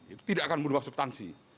itu tidak akan berubah substansi